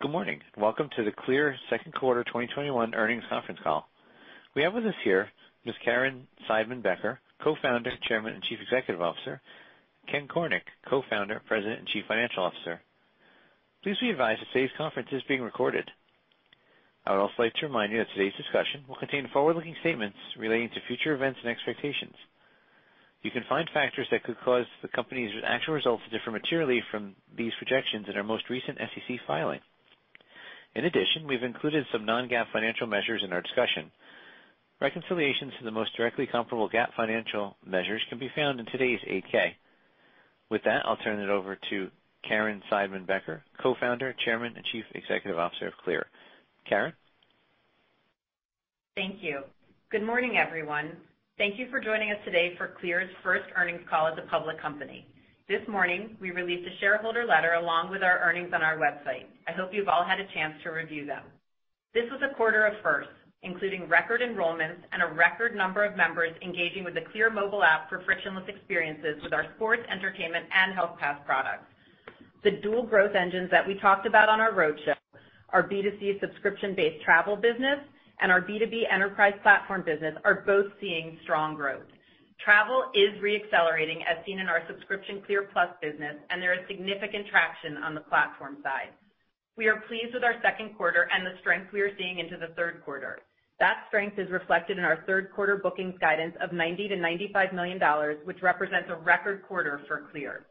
Good morning? Welcome to the CLEAR second quarter 2021 earnings conference call. We have with us here Ms. Caryn Seidman Becker, Co-founder, Chairman, and Chief Executive Officer. Ken Cornick, Co-founder, President, and Chief Financial Officer. Please be advised that today's conference is being recorded. I would also like to remind you that today's discussion will contain forward-looking statements relating to future events and expectations. You can find factors that could cause the company's actual results to differ materially from these projections in our most recent SEC filing. We've included some non-GAAP financial measures in our discussion. Reconciliations to the most directly comparable GAAP financial measures can be found in today's Form 8-K. I'll turn it over to Caryn Seidman Becker, Co-founder, Chairman, and Chief Executive Officer of CLEAR. Caryn. Thank you. Good morning, everyone. Thank you for joining us today for CLEAR's first earnings call as a public company. This morning, we released a shareholder letter along with our earnings on our website. I hope you've all had a chance to review them. This was a quarter of firsts, including record enrollments and a record number of members engaging with the CLEAR mobile app for frictionless experiences with our sports, entertainment, and Health Pass products. The dual growth engines that we talked about on our roadshow, our B2C subscription-based travel business and our B2B enterprise platform business, are both seeing strong growth. Travel is re-accelerating, as seen in our subscription CLEAR+ business, and there is significant traction on the platform side. We are pleased with our second quarter and the strength we are seeing into the third quarter. That strength is reflected in our third quarter bookings guidance of $90 million-$95 million, which represents a record quarter for CLEAR.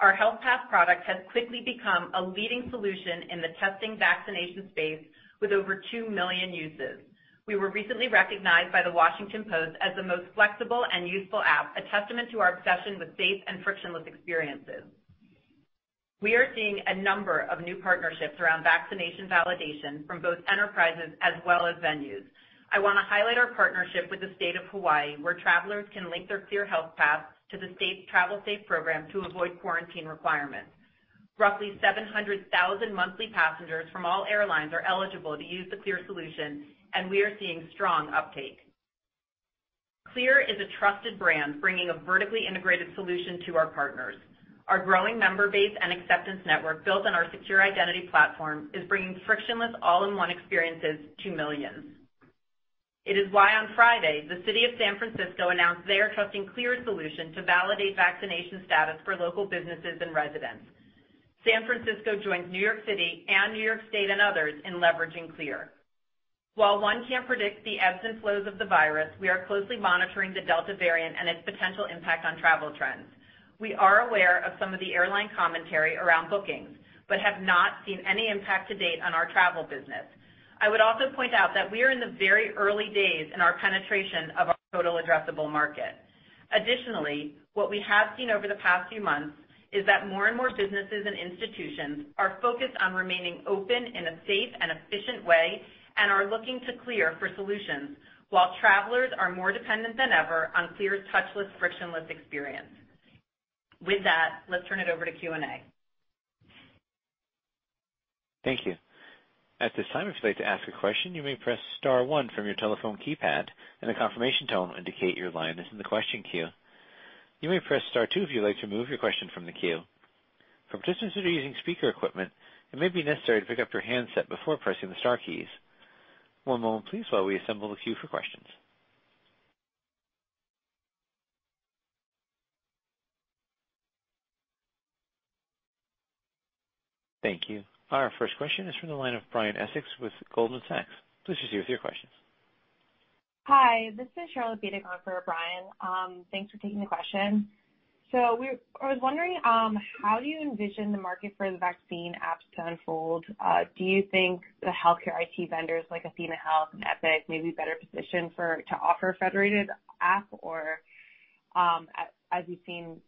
Our Health Pass product has quickly become a leading solution in the testing vaccination space with over two million uses. We were recently recognized by The Washington Post as the most flexible and useful app, a testament to our obsession with safe and frictionless experiences. We are seeing a number of new partnerships around vaccination validation from both enterprises as well as venues. I wanna highlight our partnership with the state of Hawaii, where travelers can link their CLEAR Health Pass to the state's Safe Travels program to avoid quarantine requirements. Roughly 700,000 monthly passengers from all airlines are eligible to use the CLEAR solution, and we are seeing strong uptake. CLEAR is a trusted brand, bringing a vertically integrated solution to our partners. Our growing member base and acceptance network built on our secure identity platform is bringing frictionless all-in-one experiences to millions. It is why on Friday, the city of San Francisco announced they are trusting CLEAR's solution to validate vaccination status for local businesses and residents. San Francisco joins New York City and New York State and others in leveraging CLEAR. While one can't predict the ebbs and flows of the virus, we are closely monitoring the Delta variant and its potential impact on travel trends. We are aware of some of the airline commentary around bookings but have not seen any impact to date on our travel business. I would also point out that we are in the very early days in our penetration of our total addressable market. Additionally, what we have seen over the past few months is that more and more businesses and institutions are focused on remaining open in a safe and efficient way and are looking to CLEAR for solutions while travelers are more dependent than ever on CLEAR's touchless, frictionless experience. With that, let's turn it over to Q&A. Thank you. At this time if you wish to ask a question you may press star one from your telephone keypad and a confirmation tone will indicate when your line is in the question queue. You may press star two if you wish to remove your question from the question queue Thank you. One moment please as we assemble the question queue. Our first question is from the line of Brian Essex with Goldman Sachs, please proceed with your questions. Hi, this is Charlotte Bedick for Brian. Thanks for taking the question. I was wondering, how do you envision the market for the vaccine apps to unfold? Do you think the healthcare IT vendors, like athenahealth and Epic, may be better positioned to offer a federated app? Are you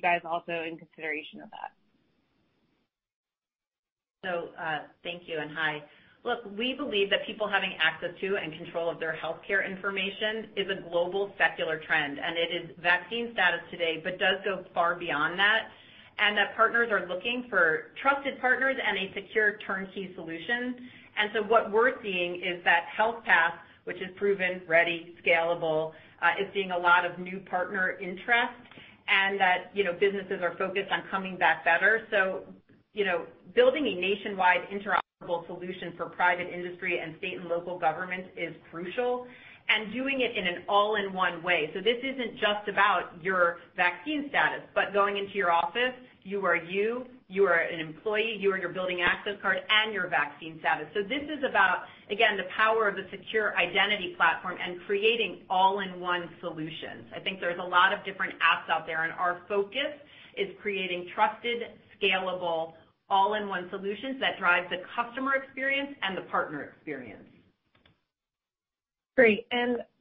guys also in consideration of that? Thank you, and hi. Look, we believe that people having access to and control of their healthcare information is a global secular trend, and it is vaccine status today but does go far beyond that, and that partners are looking for trusted partners and a secure turnkey solution. What we're seeing is that Health Pass, which is proven, ready, scalable, is seeing a lot of new partner interest and that, you know, businesses are focused on coming back better. You know, building a nationwide interoperable solution for private industry and state and local government is crucial, and doing it in an all-in-one way. This isn't just about your vaccine status, but going into your office, you are an employee, you are your building access card and your vaccine status. This is about, again, the power of the secure identity platform and creating all-in-one solutions. I think there's a lot of different apps out there, and our focus is creating trusted, scalable, all-in-one solutions that drives the customer experience and the partner experience. Great.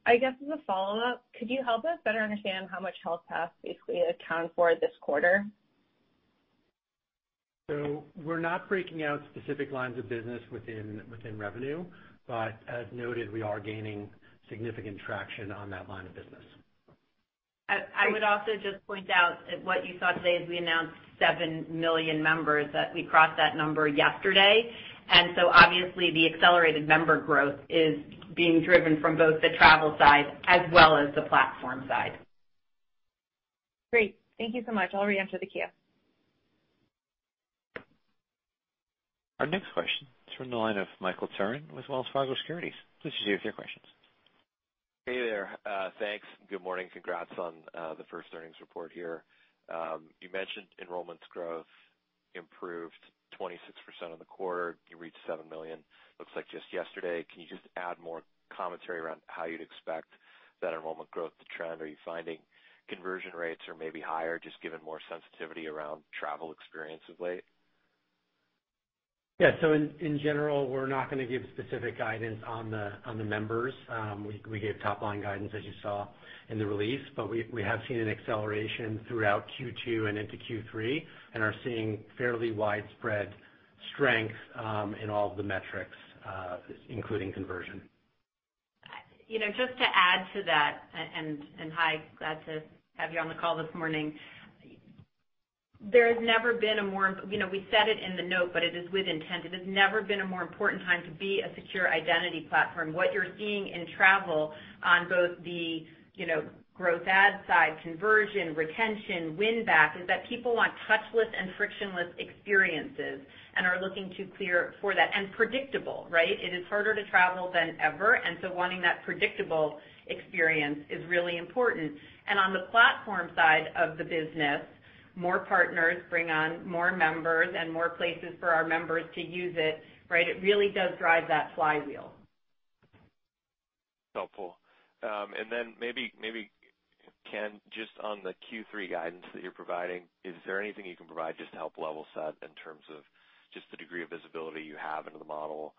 I guess as a follow-up, could you help us better understand how much Health Pass basically accounted for this quarter? We're not breaking out specific lines of business within revenue, but as noted, we are gaining significant traction on that line of business. I would also just point out what you saw today as we announced 7 million members, that we crossed that number yesterday. Obviously the accelerated member growth is being driven from both the travel side as well as the platform side. Great. Thank you so much. I'll re-enter the queue. Our next question is from the line of Michael Turrin with Wells Fargo Securities, please proceed with your questions. Hey there. Thanks. Good morning? Congrats on the first earnings report here. You mentioned enrollments growth improved 26% in the quarter. You reached seven million, looks like just yesterday. Can you just add more commentary around how you'd expect that enrollment growth to trend? Are you finding conversion rates are maybe higher just given more sensitivity around travel experience of late? Yeah. In general, we're not gonna give specific guidance on the members. We gave top line guidance as you saw in the release, but we have seen an acceleration throughout Q2 and into Q3 and are seeing fairly widespread strength in all of the metrics, including conversion. You know, just to add to that, and hi, glad to have you on the call this morning. You know, we said it in the note, but it is with intent. It has never been a more important time to be a secure identity platform. What you're seeing in travel on both the, you know, growth add side, conversion, retention, win back, is that people want touchless and frictionless experiences and are looking to CLEAR for that, and predictable, right? It is harder to travel than ever. Wanting that predictable experience is really important. On the platform side of the business, more partners bring on more members and more places for our members to use it, right? It really does drive that flywheel. Helpful. Then maybe, Ken, just on the Q3 guidance that you're providing, is there anything you can provide just to help level set in terms of just the degree of visibility you have into the model,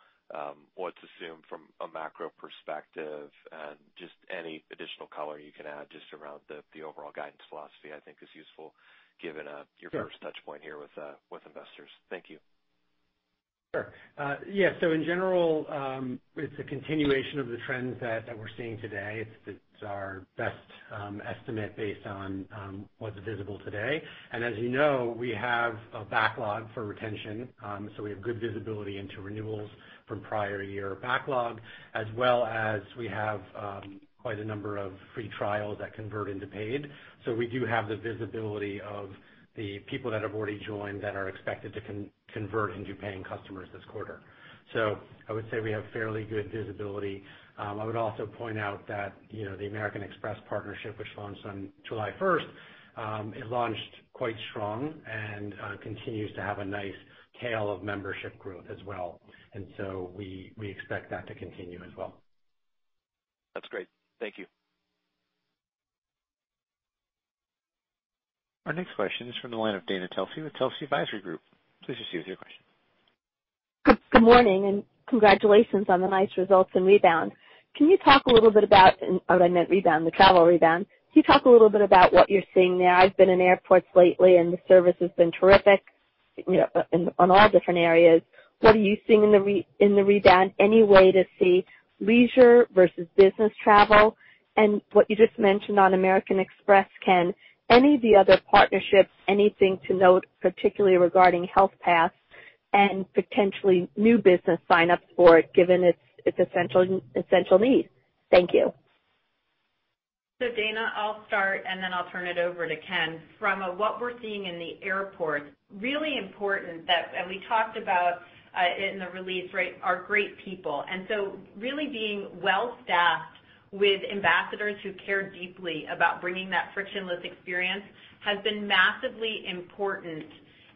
what's assumed from a macro perspective, and just any additional color you can add just around the overall guidance philosophy, I think is useful given your first touchpoint here with investors. Thank you. Yeah. In general, it's a continuation of the trends that we're seeing today. It's our best estimate based on what's visible today. As you know, we have a backlog for retention. We have good visibility into renewals from prior year backlog, as well as we have quite a number of free trials that convert into paid. We do have the visibility of the people that have already joined that are expected to convert into paying customers this quarter. I would say we have fairly good visibility. I would also point out that, you know, the American Express partnership, which launched on July 1, it launched quite strong and continues to have a nice tail of membership growth as well. We expect that to continue as well. That's great. Thank you. Our next question is from the line of Dana Telsey with Telsey Advisory Group, please proceed with your question. Good morning? congratulations on the nice results and rebound. Oh, I meant rebound, the travel rebound. Can you talk a little bit about what you're seeing there? I've been in airports lately, the service has been terrific, you know, on all different areas. What are you seeing in the rebound, any way to see leisure versus business travel? What you just mentioned on American Express, Ken, any of the other partnerships, anything to note, particularly regarding Health Pass and potentially new business signups for it, given its essential need? Thank you. Dana, I'll start, and then I'll turn it over to Ken. From a what we're seeing in the airport, really important that, and we talked about, in the release, right, our great people. Really being well-staffed with ambassadors who care deeply about bringing that frictionless experience has been massively important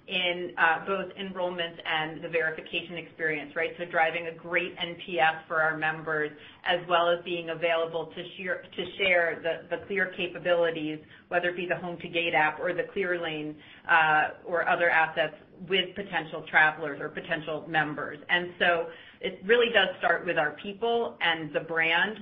in both enrollments and the verification experience, right? Driving a great NPS for our members, as well as being available to share the CLEAR capabilities, whether it be the Home-to-Gate app or the CLEAR Lane, or other assets with potential travelers or potential members. It really does start with our people and the brand.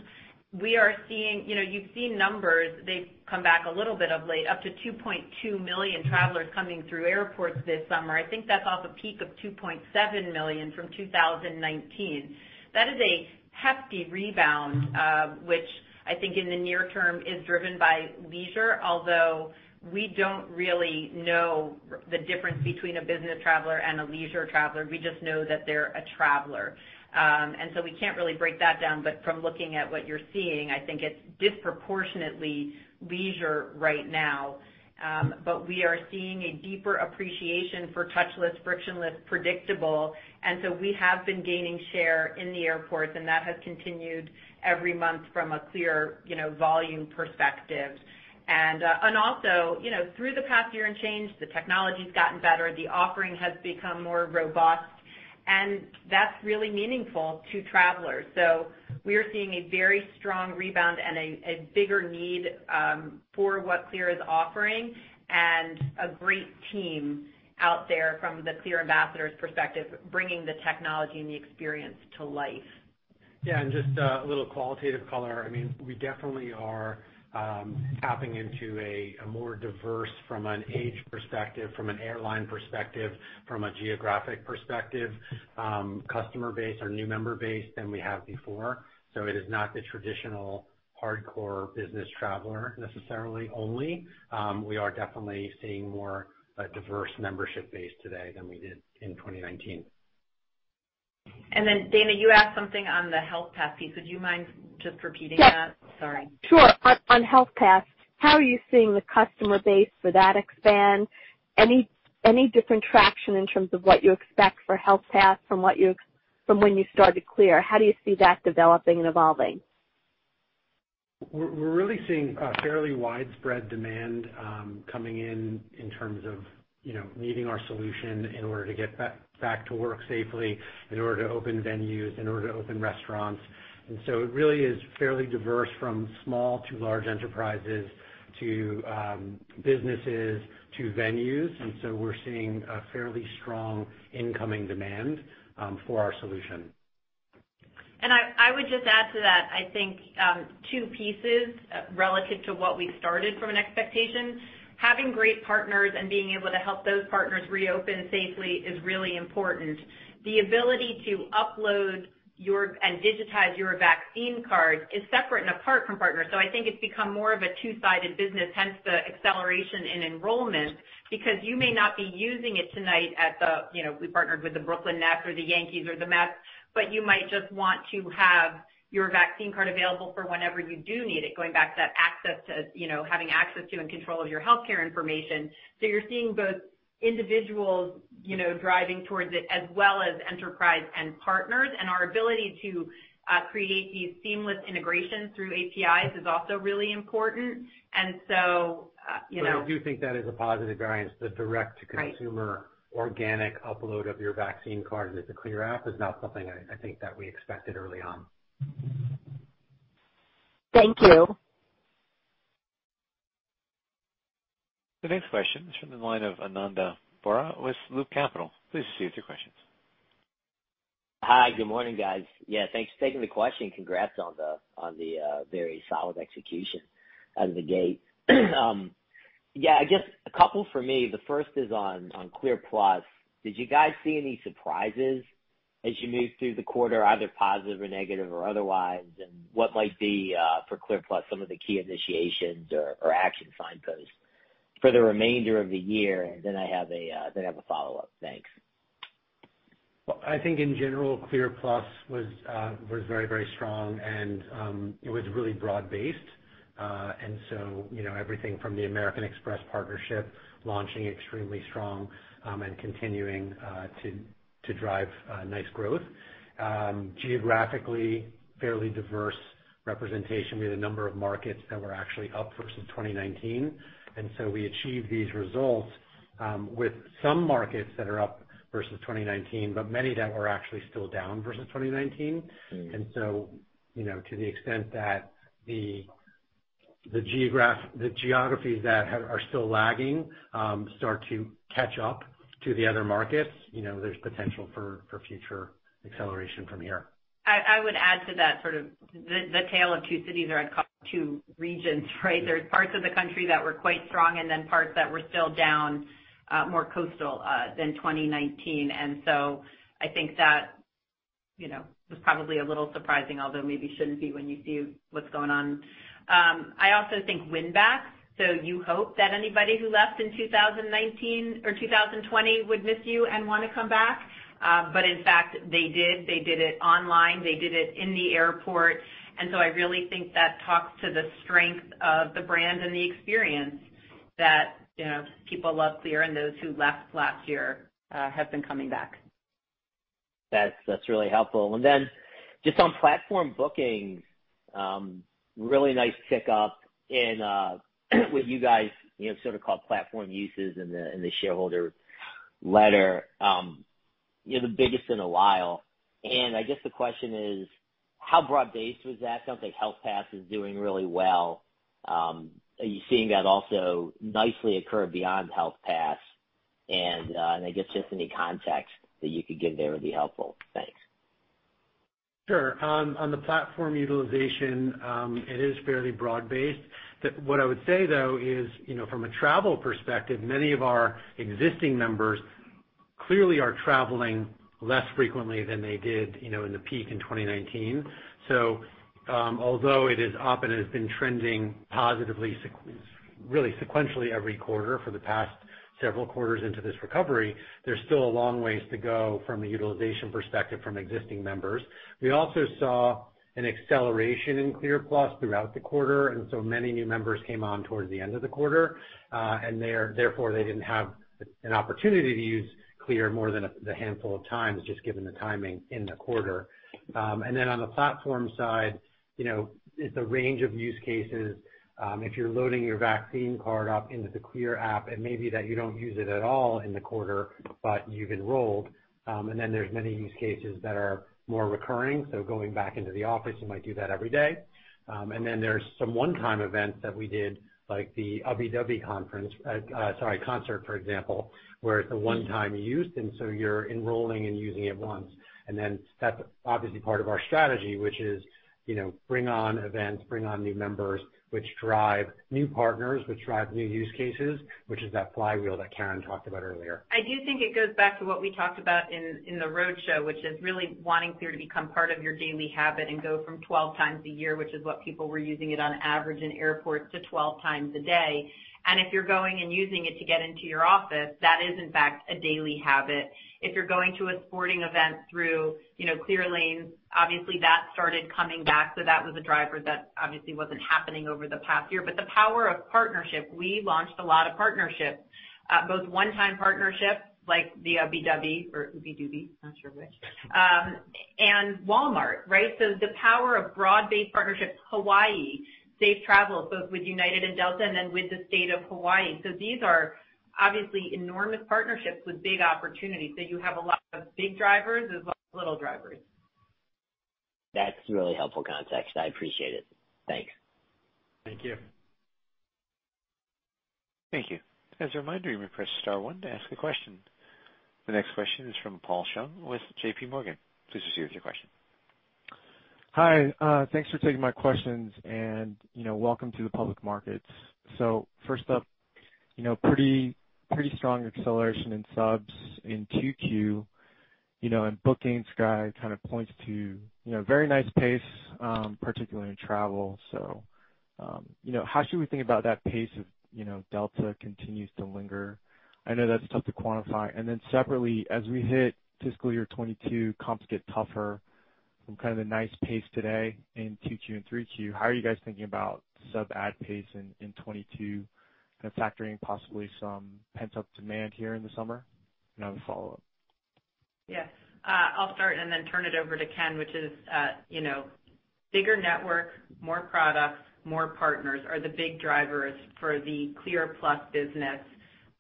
We are seeing, you know, you've seen numbers. They've come back a little bit of late, up to 2.2 million travelers coming through airports this summer. I think that's off a peak of $2.7 million from 2019. That is a hefty rebound, which I think in the near term is driven by leisure, although we don't really know the difference between a business traveler and a leisure traveler. We just know that they're a traveler. We can't really break that down. From looking at what you're seeing, I think it's disproportionately leisure right now. We are seeing a deeper appreciation for touchless, frictionless, predictable, we have been gaining share in the airports, and that has continued every month from a CLEAR, you know, volume perspective. Also, you know, through the past year and change, the technology's gotten better, the offering has become more robust, and that's really meaningful to travelers. We are seeing a very strong rebound and a bigger need for what CLEAR is offering and a great team out there from the CLEAR ambassador's perspective, bringing the technology and the experience to life. Yeah. Just a little qualitative color. I mean, we definitely are tapping into a more diverse from an age perspective, from an airline perspective, from a geographic perspective, customer base or new member base than we have before. It is not the traditional hardcore business traveler necessarily only. We are definitely seeing a diverse membership base today than we did in 2019. Dana, you asked something on the Health Pass piece. Would you mind just repeating that? Yeah. Sorry. Sure. On Health Pass, how are you seeing the customer base for that expand? Any different traction in terms of what you expect for Health Pass from when you started CLEAR? How do you see that developing and evolving? We're really seeing a fairly widespread demand, coming in terms of, you know, needing our solution in order to get back to work safely, in order to open venues, in order to open restaurants. It really is fairly diverse from small to large enterprises to, businesses to venues. We're seeing a fairly strong incoming demand for our solution. I would just add to that, I think, two pieces, relative to what we started from an expectation. Having great partners and being able to help those partners reopen safely is really important. The ability to upload your and digitize your vaccine card is separate and apart from partners. I think it's become more of a two-sided business, hence the acceleration in enrollment, because you may not be using it tonight at the, you know, we partnered with the Brooklyn Nets or the Yankees or the Mets, but you might just want to have your vaccine card available for whenever you do need it, going back to that access to, you know, having access to and control of your healthcare information. You're seeing both individuals, you know, driving towards it as well as enterprise and partners, and our ability to create these seamless integrations through APIs is also really important. I do think that is a positive variance, the direct-to-consumer. Right -Organic upload of your vaccine card with the CLEAR App is not something I think that we expected early on. Thank you. The next question is from the line of Ananda Baruah with Loop Capital, please proceed with your questions. Hi, good morning, guys? Yeah, thanks for taking the question. Congrats on the very solid execution out of the gate. Yeah, I guess a couple for me. The first is on CLEAR+. Did you guys see any surprises as you moved through the quarter, either positive or negative or otherwise? What might be for CLEAR+, some of the key initiations or action signposts for the remainder of the year? I have a follow-up. Thanks. Well, I think in general, CLEAR+ was very, very strong and it was really broad-based. You know, everything from the American Express partnership launching extremely strong and continuing to drive nice growth. Geographically, fairly diverse representation. We had a number of markets that were actually up versus 2019. We achieved these results with some markets that are up versus 2019, but many that were actually still down versus 2019. So you know, to the extent that the geographies are still lagging, start to catch up to the other markets, you know, there's potential for future acceleration from here. I would add to that sort of the tale of two cities, or I'd call it two regions, right? There's parts of the country that were quite strong and then parts that were still down, more coastal, than 2019. I think that, you know, was probably a little surprising, although maybe shouldn't be when you see what's going on. I also think winback, you hope that anybody who left in 2019 or 2020 would miss you and wanna come back. In fact, they did. They did it online. They did it in the airport. I really think that talks to the strength of the brand and the experience that, you know, people love CLEAR, and those who left last year, have been coming back. That's really helpful. Then just on platform bookings, really nice tick up in what you guys, you know, sort of called platform uses in the shareholder letter. You know, the biggest in a while. I guess the question is, how broad-based was that? Sounds like Health Pass is doing really well. Are you seeing that also nicely occur beyond Health Pass? I guess just any context that you could give there would be helpful. Thanks. Sure. On the platform utilization, it is fairly broad based. What I would say, though, is, you know, from a travel perspective, many of our existing members clearly are traveling less frequently than they did, you know, in the peak in 2019. Although it is up and has been trending positively really sequentially every quarter for the past several quarters into this recovery, there's still a long ways to go from a utilization perspective from existing members. We also saw an acceleration in CLEAR+ throughout the quarter, and therefore, they didn't have an opportunity to use CLEAR more than a handful of times, just given the timing in the quarter. On the platform side, you know, it's a range of use cases. If you're loading your vaccine card up into the CLEAR App, it may be that you don't use it at all in the quarter, but you've enrolled. There's many use cases that are more recurring, so going back into the office, you might do that every day. There's some one-time events that we did, like the Ubbi Dubbi Concert, for example, where it's a one-time use, and so you're enrolling and using it once. That's obviously part of our strategy, which is, you know, bring on events, bring on new members, which drive new partners, which drive new use cases, which is that flywheel that Caryn talked about earlier. I do think it goes back to what we talked about in the roadshow, which is really wanting CLEAR to become part of your daily habit and go from 12x a year, which is what people were using it on average in airports, to 12x a day. If you're going and using it to get into your office, that is in fact a daily habit. If you're going to a sporting event through, you know, CLEAR Lane, obviously that started coming back, so that was a driver that obviously wasn't happening over the past year. The power of partnership, we launched a lot of partnerships, both one-time partnerships like the Ubbi Dubbi or Ubbi Dubbi, not sure which, and Walmart, right? The power of broad-based partnerships, Hawaii, Safe Travels, both with United Airlines and Delta Air Lines and then with the state of Hawaii. These are obviously enormous partnerships with big opportunities, so you have a lot of big drivers as well as little drivers. That's really helpful context. I appreciate it. Thanks. Thank you. Thank you. As a reminder, you may press star one to ask a question. The next question is from Paul Chung with JPMorgan, please proceed with your question. Hi, thanks for taking my questions and, you know, welcome to the public markets. First up, you know, pretty strong acceleration in subs in 2Q, you know, and bookings guide kind of points to, you know, very nice pace, particularly in travel. How should we think about that pace if, you know, Delta continues to linger? I know that's tough to quantify. Separately, as we hit fiscal year 2022, comps get tougher from kind of the nice pace today in 2Q and 3Q. How are you guys thinking about sub-add pace in 2022, kind of factoring possibly some pent-up demand here in the summer? I have a follow-up. Yes. I'll start and then turn it over to Ken, which is, you know, bigger network, more products, more partners are the big drivers for the CLEAR+ business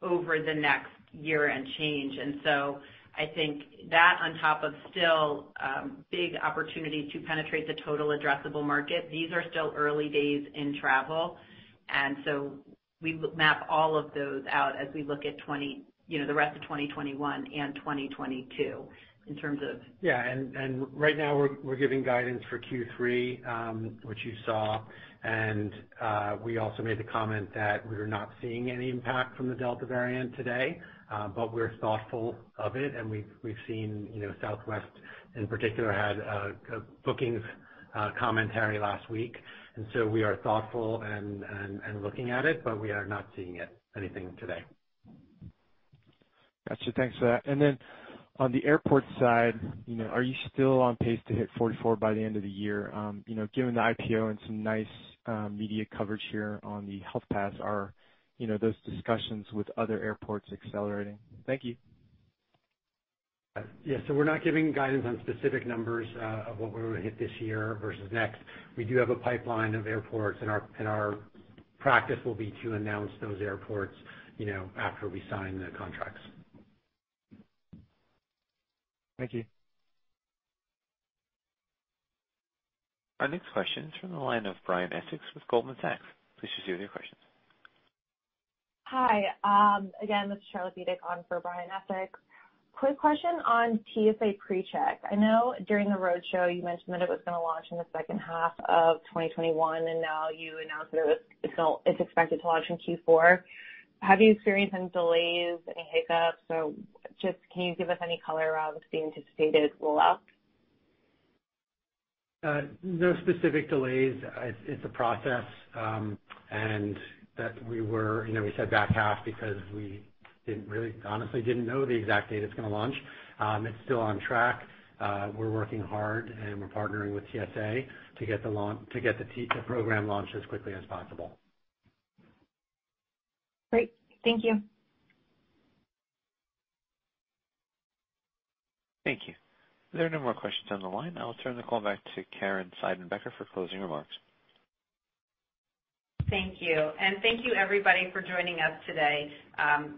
over the next year and change. I think that on top of still, big opportunities to penetrate the total addressable market, these are still early days in travel. We map all of those out as we look at, you know, the rest of 2021 and 2022 in terms of. Yeah. Right now we're giving guidance for Q3, which you saw. We also made the comment that we're not seeing any impact from the Delta variant today, but we're thoughtful of it. We've seen, you know, Southwest in particular had bookings commentary last week. We are thoughtful and looking at it, but we are not seeing it anything today. Gotcha. Thanks for that. On the airport side, you know, are you still on pace to hit 44 by the end of the year? You know, given the IPO and some nice media coverage here on the Health Pass, are, you know, those discussions with other airports accelerating? Thank you. Yeah. We're not giving guidance on specific numbers of what we're gonna hit this year versus next. We do have a pipeline of airports, and our practice will be to announce those airports, you know, after we sign the contracts. Thank you. Our next question is from the line of Brian Essex with Goldman Sachs. Please proceed with your questions. Hi. Again, this is Charlotte Bedick on for Brian Essex. Quick question on TSA PreCheck. I know during the roadshow you mentioned that it was gonna launch in the second half of 2021. Now you announced that it's expected to launch in Q4. Have you experienced any delays, any hiccups, or just, can you give us any color around the anticipated rollout? No specific delays. It's a process. you know, we said back half because we honestly didn't know the exact date it's gonna launch. It's still on track. We're working hard, and we're partnering with TSA to get the program launched as quickly as possible. Great. Thank you. Thank you. There are no more questions on the line. I'll turn the call back to Caryn Seidman Becker for closing remarks. Thank you. Thank you everybody for joining us today.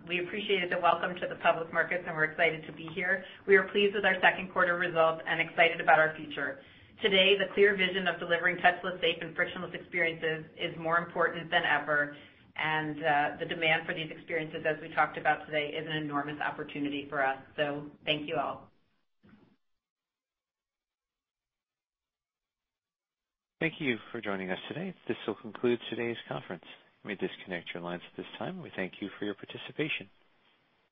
We appreciated the welcome to the public markets, and we're excited to be here. We are pleased with our second quarter results and excited about our future. Today, the CLEAR vision of delivering touchless, safe and frictionless experiences is more important than ever. The demand for these experiences, as we talked about today, is an enormous opportunity for us. Thank you all. Thank you for joining us today. This will conclude today's conference, you may disconnect your lines at this time. We thank you for your participation.